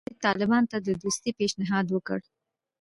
روسیې طالبانو ته د دوستۍ پېشنهاد وکړ.